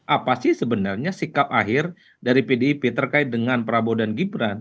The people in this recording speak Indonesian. apa sih sebenarnya sikap akhir dari pdip terkait dengan prabowo dan gibran